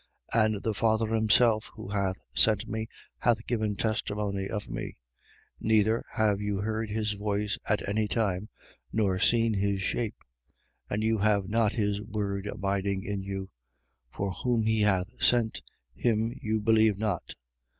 5:37. And the Father himself who hath sent me hath given testimony of me: neither have you heard his voice at any time, nor seen his shape. 5:38. And you have not his word abiding in you: for whom he hath sent, him you believe not.